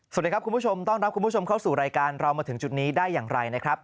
สวัสดีครับคุณผู้ชมต้อนรับคุณผู้ชมเข้าสู่รายการเรามาถึงจุดนี้ได้อย่างไรนะครับ